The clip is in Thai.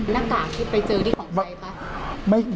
น้ากากที่ไปเจอได้ของใครกับ